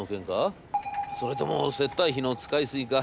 それとも接待費の使いすぎか？